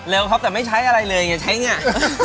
เร็วครับแต่ไม่ใช้อะไรเลยอย่าใช้เนี่ย